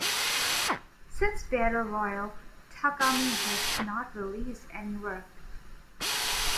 Since "Battle Royale", Takami has not released any work.